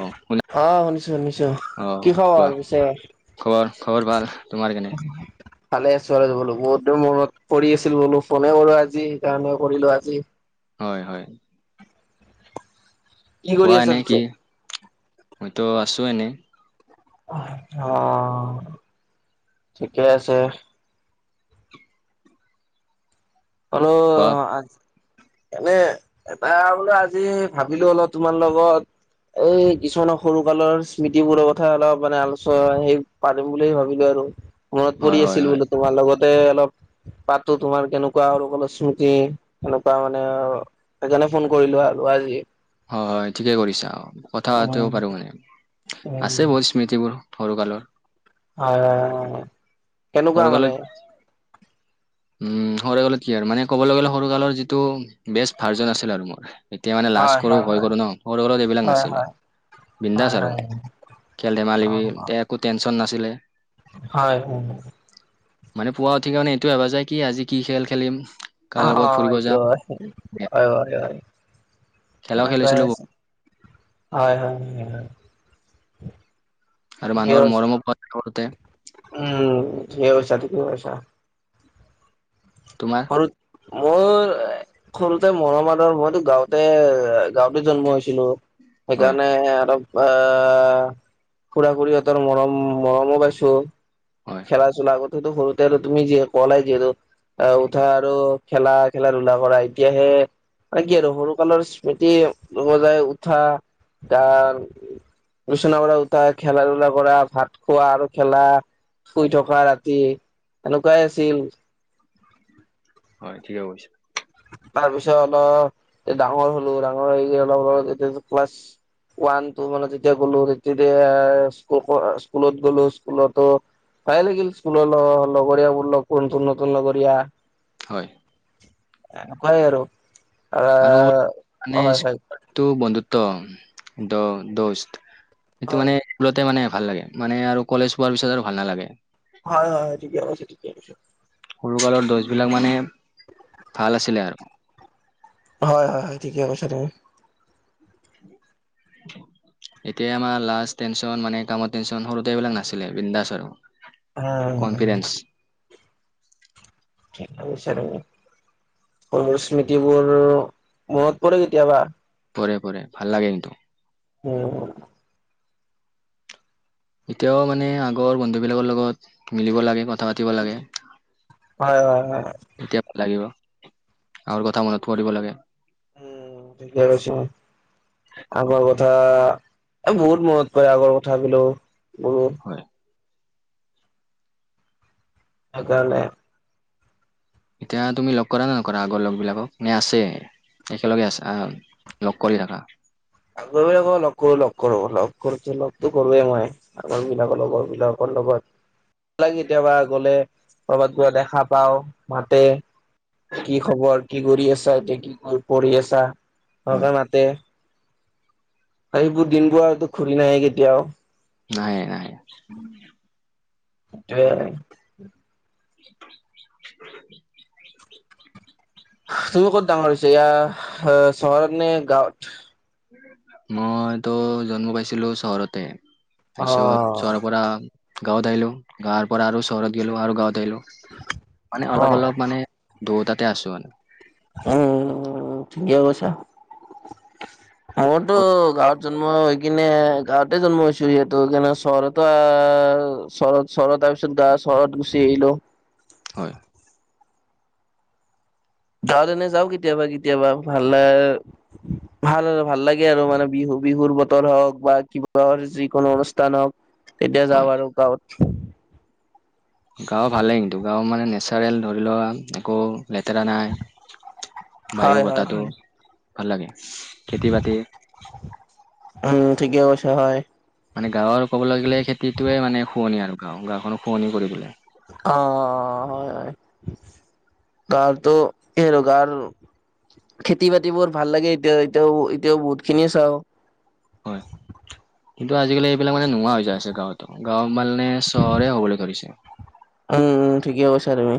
অ শুনা অ শুনিছোঁ শুনিছোঁ অ কি খবৰ কোৱা আৰু পিছে? খবৰ খবৰ ভাল। তোমাৰ কেনে? ভালে আছো আৰু বোলো বহুত দিন মনত পৰি আছিল, বোলো ফোনে কৰো আজি কাৰণে কৰিলো আজি। হয় হয়। কি কৰি কোৱা আছা এনে পিছে? কি মইতো আছো এনে। অ' ঠিকে আছে। অলপ কোৱা আজি এনে এটা বোলে আজি ভাবিলো অলপ তোমাৰ লগত এই কিছুমানৰ সৰু কালৰ স্মৃতিবোৰৰ কথা অলপ মানে আলোচনা সেই পাতিম বুলি ভাবিলো আৰু মনত হয় পৰি হয় আছিল হয় বোলো তোমাৰ লগতে অলপ পাতো তোমাৰ কেনেকা সৰু কালৰ স্মৃতি এেনেকুৱা মানে সেইকাৰণে ফোন কৰিলো আৰু আজি। হয় হয় ঠিকে কৰিছা আৰু কথা উম, পটোও পাৰো মানে উম, আছে ব স্মৃতিবোৰ সৰুকালৰ। অ' কেনেকুৱা সৰুকালত মানে? উম সৰু কালত কি আৰু মানে ক'বলৈ গ'লে সৰু কালৰ যিটো বেষ্ট ভাৰ্জন আছিল আৰু মোৰ। এতিয়া মানে লাজ হয়, কৰো হয়, ভয় হয়, কৰো ন, সৰু কালত এইবিলাক হয়, নাছিলে হয়, হয়, বিন্দাস আৰু। হয়, খেল ধেমালিবি অ', অ', একো টেনচন নাছিলে। হয় হয়। মানে পুৱ উঠি কিনে এইটো ভবা যায় কি আজি কি খেল খেলিম। কাৰ অ' লগত ফুৰিব সটো যাম হয় হয় হয় হয় খেলাও সনেকাইে খেলিছিলো আছিল। হয় হয়। আৰু ঠিকে মানুহৰ কৈছা, মৰমো পায় সৰুতে। উম ঠিকেই কৈছা ঠিকেই কৈছা। তোমাৰ সৰুত মোৰ সৰুতে মৰম আদৰ মইতো গাঁওঁতে গাওঁতে জন্ম হৈ ছিলো হয় সেইকাৰণে আৰু বা খুৰা খুুৰীহঁতৰ মৰম মৰমো পাইছো। হয় খেলা চলা আগতেতো সৰুতে আৰু তুমি যে ক'লাই যিহেতু আহ হয় উঠা আৰু খেলা খেলা ধূলা কৰা, এতিয়াহে ন কি আৰু সৰু কালৰ স্মৃতি লগোৱা যায় উঠা তাৰ বিচনা পৰা উঠা খেলা ধূলা কৰা ভাত খোৱা আৰু খেলা শুই থকা ৰাতি এনেকুৱাই আছিল। হয় ঠিকে কৈছা। তাৰ পিছত অলপ ডাঙৰ হ'লো, ডাঙৰ হৈ অলপ অ' এতিয়া ক্লাছ ওৱান টু মানে তেতিয়া গ'লো তেতিয়া স্কুলত গ'লো। স্কুলতো পাই লাগিল স্কুলৰ ল ল লগৰিয়া বুলা কোনতো নতুন ল লগৰিয়া। হয়। এনেকুৱাই আৰু। আৰু মানে আহ হয় হয় স্কুলটো বন্ধুত্ব দ দষ্ট। সেইটো হয় মানে স্কুলতে মানে ভাল লাগে, মানে আৰু কলেজ পোৱাৰ পিছত আৰু ভাল নালাগে। হয় হয় হয় ঠিকে কৈছা ঠিকে কৈছা। সৰু কালৰ দষ্টবিলাক মানে ভাল আছিলে আৰু। হয় হয় হয় ঠিকে কৈছা তুমি। [unintelligible] এতিয়া আমাৰ লাজ টেনচন মানে কামৰ টেনচন সৰুতে এইবিলাক নাছিলে, বিন্দাস আৰু। কনফিডেন্স হয়। ঠিক কৈছা তুমি, স্মৃতিবোৰ মনত পৰে কেতিয়াবা। পৰে পৰে ভাল লাগে কিন্তু। উম। এতিয়াও মানে আগৰ বন্ধুবিলাকৰ লগত মিলিব লাগে কথা পাতিব লাগে। হয় হয় হয়। এতিয়া ভাল লাগিব আৰু কথা মনত পৰিব লাগে। উম ঠিকে আছে। আগৰ কথা বহুত মনত কৰে আগৰ কথাবিলও গৰু। হয়। সেইকাৰণে। এতিয়া তুমি লগ কৰা নে নকৰা আগৰ লগবিলাকক মে আছে। একেলগে আছ লগ কৰি ৰাখা। আগৰ ক লগ কৰো লগ কৰো লগ কৰোো লগতো কৰোৱেই মই। আ বিলাকৰ লগৰ বিলাকৰ লগত। কেতিয়াবা গ'লে কৰ'ৰবাত কিবা দেখা পাও, মাতে। কি খবৰ? কি কৰি আছা? এতিয়া কি কৰি পঢ়ি আছা হয় সেনেকে মাতে। এইবোৰ দিনবোৰ আৰুতো ঘূৰি নাহে কেতিয়াও। নাহে, নাহে। [unintelligible] [inaudible] তুমি ক'ত ডাঙৰ হৈছে ইয়া চহৰত নে গাঁৱত? মইতো জন্ম পাইছিলো চহৰতে অ তাপিছত চহৰৰ পৰা গাঁৱত আহলো গাঁৱৰ পৰা আৰু চহৰত গলো আৰু গাঁৱত আহইিলো মানে অ অলপ অলপ মানে দুটাতে আছো মানে। উম, উম, ঠিকে কৈছা। মোৰতো গাঁৱত জন্ম হৈ কিনে গাঁৱত তাতে জন্ম হৈছো যিহেতো কিন্ত চহৰতো আহ চহৰত চহৰত তাৰ পিছত গা চহৰত গুচি আহিলো। হয়। গাঁৱত এনে যাওঁ কেতিয়াবা কেতিয়াবা ভাল ভাল ভাল লাগে আৰু মানে বিহু বিহুৰ বতৰ হওক বা কিবাৰ যিকোনো অনুষ্ঠান হওঁক। তেতিয়া যাওঁ হয় আৰু গাঁৱত। গাঁও ভালে, কিন্তু গাওঁ নেচাৰেল ধৰি লোৱা লেতেৰা নাই, হয় বায়ু হয় বতাহটো হয় ভাললাগে খেতি বাতি উম, ঠিকে কৈছা হয়। মানে গাঁৱৰ ক'বলৈ গ'লে খেতিটোৱে মানে শুৱনি আৰু গাঁও-গাঁওখন শুৱনি কৰি তোলে। অ', হয়, হয়। কাৰটো এ, ৰোগাৰ খেতি বাতিবোৰ ভাললাগে এতিয়া, এতিয়াও, এতিয়াও বহুত খিনিয়ে চাওঁ। হয় [inaudible] কিন্তু আজিকালি এইবিলাক মানে নোহোৱা হৈ যায় আছে গাঁৱতো, গাঁও মানে চহৰৰে হ'বলৈ ধৰিছে। উম, উম, ঠিকে কৈছা তুমি।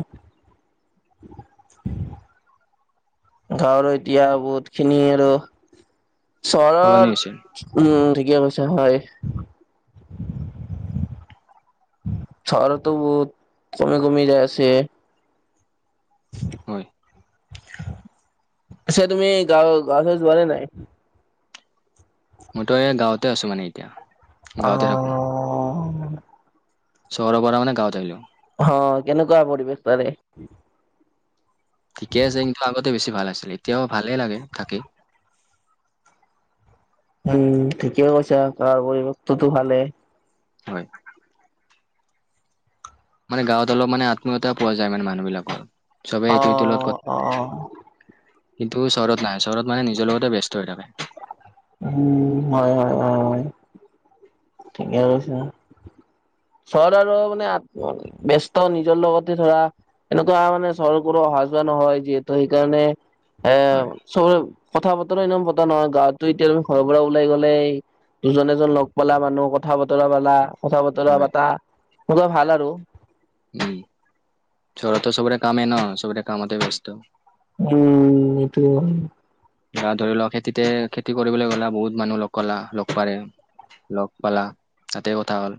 গাঁৱৰ এতিয়া বহুত খিনি আৰু, সলনি চহৰৰ হৈছে উম, ঠিকে কৈছা হয়। চহৰতটো বহুত কমি, কমি যায় আছে। হয় পিছে, তুমি গা- গাঁৱলে যোৱা নে নাই? মইতো এইয়া গাঁৱতে আছোঁ মানে এতিয়া। গাঁৱতে থাকো অ'। চহৰৰ পৰা মানে গাঁৱত আহিলোঁ। অ', কেনেকুৱা পৰিৱেশ তাৰে? ঠিকে আছে কিন্তু আগতে বেছি ভাল আছিল, এতিয়াও ভালে লাগে থাকি। উম, ঠিকেই কৈছা গাঁৱৰ পৰিৱেশটো ভালেই। হয়। মানে গাঁৱত অলপ মানে আত্মীয়তা পোৱা যায় মানে মানুহবিলাকৰ, চবেই অ এইটোৰ সেইটোৰ অ কথা কিন্তু চহৰত নাই, চহৰত মানে নিজৰ লগতে ব্যস্ত হৈ থাকে। উম, হয়, হয়, হয়, হয়। ঠিকে কৈছা। চহৰত আৰু মানে ব্যস্ত নিজৰ লগতে ধৰা। এনেকুৱা মানে চহৰত [unintelligible] অহা যোৱা নহয় যিহেতু সেইকাৰণে এ, হয় চব কথা বতৰা এনেও পতা নহয়। গাঁৱতো এতিয়া তুমি ঘৰৰ পৰা ওলাই গ'লেই দুজন এজন লগ পালা মা কথা বতৰা পালা, কথা বতৰা হয় পাতা এনেকুৱা ভাল আৰু। উম, চহৰতটো চবৰে কামে ন, চবৰে কামতে ব্যস্ত। উম, [unintelligible] গাঁৱত ধৰি লওঁক খেতিতে খেতি কৰিবলৈ গ'লা বহুত মানুহ লগ ক'লা লগ বাঢ়িল। লগ পালা তাতে কথা হ'ল।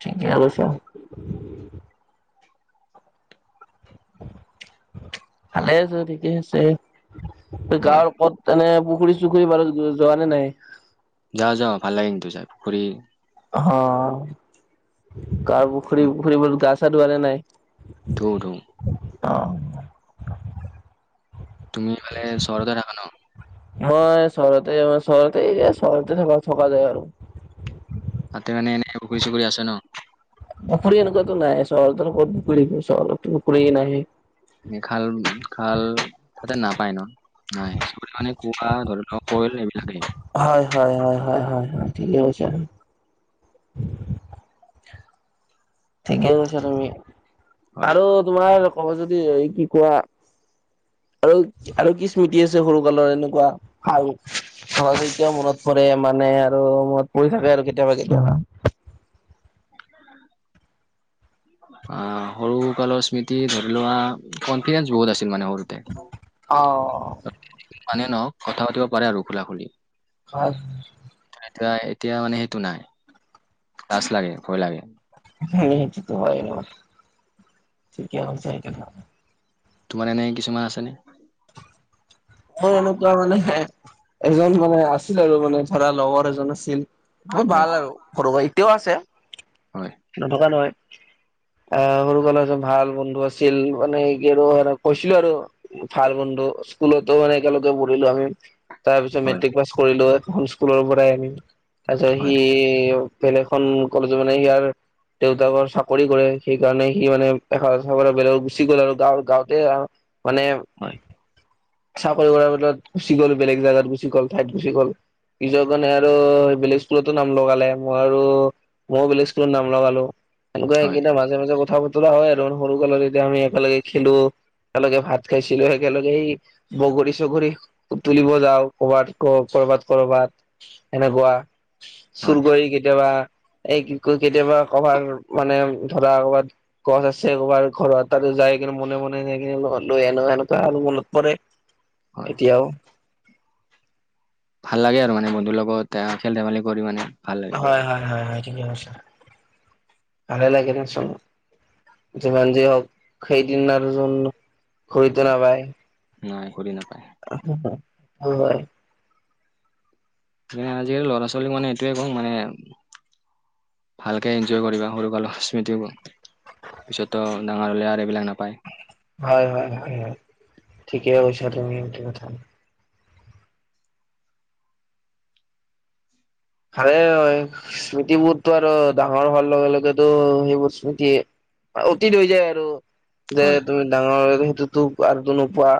ঠিকে হ'ল। ভালে আছে ঠিকে আছে হয়, গাঁৱৰ ওপৰত এনে পুখুৰী বাৰু যোৱা নে নাই? যা যাওঁ ফাল লাগিধু চ পুখুৰী অ' কাৰ পুখুৰী পুখুৰীবত গা চা ধুৱ নাই? দৌটো। অ তুমি মালে চৰতে থাক ন? মই চহৰতে চহৰতে যে চহৰতে থকা থকা যায় আৰু। তাতে মানে এনেইুখুৰ চুখুৰ আছে ন? পুখুৰী এনেকুৱাতো নাই চহৰ ওৰত পুুৰী চহো পুখুৰীয়ে নাহে। খাল খাল তাতে নাপায় ন। নাই সব মানে কুোৱা ধৰি কল এইবিলাক হয়, হয়, হয়, হয় ঠিকেছে। ঠিকেই কৈছা তুমি হয় আৰু তোমাৰ কব যদি এই কি কোৱা আৰু আৰু কি স্মৃতি আছে সৰু কালৰ এনেকুৱা ভাল। সহজতিয়া মনত পৰে মানে আৰু মনত পৰি থাকে আৰু কেতিয়াবা কেতিয়াবা। অ' সৰু কালৰ স্মৃতি ধৰি লোৱা কনফিডেন্ঞ্চ বহুত আছিল মানে সৰুতে। অ'। মানে নহক কথা পাতিব পাৰে আৰু খোলা খুলি। হয়। এতিয়া এতিয়া মানে সেইটো নাই লাছ লাগে ভয় লাগে। সেইটো হয় ন' কি চেল [unintelligible] তোমাৰ এনে কিছুমান আছেনে? মোৰ এনেকুৱা মানে এজন মানে আছিল আৰু মানে ধৰা লগৰ এজন আছিল। ব হয় ভাল আৰু ঘৰুব এতিয়াও আছে। হয়। নথকা নহয়। আহ সৰু কলে ভাল বন্ধু আছিল মানে কি আৰু কৈছিলো আৰু। ফাৰ বন্ডু স্কুলত মানে একেলগে পঢ়িলো আমি তাৰ পিছত হয় মেট্ৰিক পাছ কৰিলো এখন স্কুলৰ পৰাই আমি। তাৰপিছত সি, হয় বেলেগখন কলেজৰ মানে সি আৰু দেউতাকৰ চাকৰি কৰে সেইকাৰণে সি মানে [unintelligible] বেলেগ গুচি গ'ল আৰু গাঁও গাওঁতে মানে, হয়। চাকৰি কৰাৰ ভিতৰত গুচি গ'ল বেলেগ জাগাত গুচি গ'ল ঠাইত গুচি গ'ল। পিছত মানে আৰু বেলেগ স্কুলতো নাম লগালে, মই আৰু ময়ো বেলেগ স্কুলত নাম লগালো এনেকুৱা হয় এইকেইটা মাত মাজে মাজে কথা বতৰা হয় আৰু সৰু কালত, এতিয়া আমি একলগে খেলো একেলগে ভাত খাইছিলো একেলগেই বগৰী চগৰী বুতুলিব যাওঁ, ক'বাত ক কৰবাত কৰবাত সেনেকুৱা, চুৰ হয় কৰি কেতিয়াবা এই কি কয় কেতিয়াবা কভাৰ মানে ধৰা ক'বাত গছ আছে ক'ৰবাৰ ঘৰত, তাতে যাই কিনে মনে মনে যাই কিনে লৈ আনো এনেকুৱা আৰু মনত পৰে। হয় এতিয়াও ভাল লাগে আৰু মানে, বন্ধুৰ লগত এয়া খেল ধেমালি কৰি মানে ভাল লাগে হয়, হয়, হয়, হয়, ঠিকে কৈছা ভালেই লাগে দিয়াচোন। যিমান যি হওক সেইদিন আৰু যোন ঘূৰিটো নাপায়। নাই, ঘূৰি নাপায়। [unintelligible] হয়। মই আজিকালি ল'ৰা ছোৱালীক মানে এইটোয়ে কওঁ মানে ভালকে এনজয় কৰিবা সৰু কালৰ স্মৃতিবোৰ। পিছততো ডাঙৰ হ'লে আৰু এইবিলাক নাপায়। হয়, হয়, হয়, হয়, ঠিকে কৈছা তুমি এইটো কথা। আৰে হয়, স্মৃতি বোৰটো আৰু ডাঙৰ হোৱাৰ লগে লগেতো সেইবোৰ স্মৃতি অতীত হৈ যায় আৰু যে হয় তুমি ডাঙৰ হৈ হেইতোকটো আৰুতো নোপোৱা।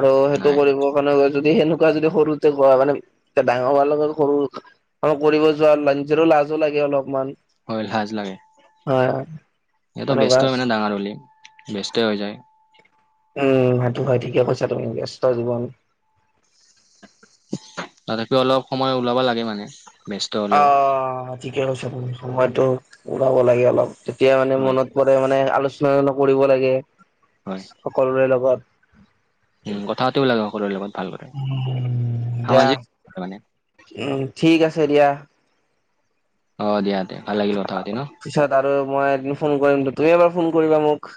আৰু সেইটো নাই কৰিবৰ কাৰণে যদি সেনেকুৱা যদি সৰুতে কোৱা, মানে এ ডাঙৰ হোৱাৰ লগত সৰু অ' কৰিব যোৱা নিজৰো লাজো লাগে অলপমান হয়, লাজ লাগে। হয় এটো ব্যস্ত সেনেকুৱা হয় না ডাঙৰ হ'লি ব্যস্ত হৈ যায়। উম। সেইটো হয়, ঠিকেই কৈছা তুমি ব্যস্ত জীৱন। তথাপিও অলপ সময় ওলাব লাগে মানে ব্যস্ত হ'লেও। ঠিকেই কৈছা তুমি, সময়টো ওলাব লাগে অলপ। তেতিয়া মানে হয় মনত গ'লে মানে আলোচনা কৰিব লাগে, হয় সকলোৰে লগত উম কথা পাতিব লাগে সকলোৰে লগত। ভাল কৰে উম দিয়া, সামাজিক মানে উম ঠিক আছে দিয়া। অ' দিয়া তে, ভাল লাগিল কথা পাতি ন? পিছত আৰু মই এদিন ফোন কৰিম, তুমি এবাৰ ফোন কৰিবা মোক।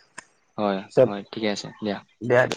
হয়, পিছত হয়, ঠিকে আছে দিয়া। দিয়া তে